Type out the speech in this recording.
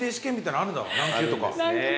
何級とか。